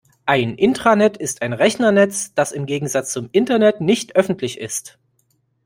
Ein Intranet ist ein Rechnernetz, das im Gegensatz zum Internet nicht öffentlich ist.